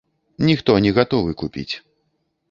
Ніхто не гатовы купіць.